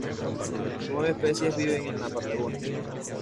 Nueve especies viven en la Patagonia.